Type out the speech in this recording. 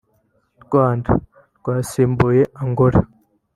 Rwanda(rwasimbuye Angola)